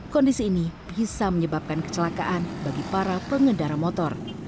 kondisi ini bisa menyebabkan kecelakaan bagi para pengendara motor